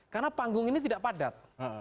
karena panggung ini tidak padat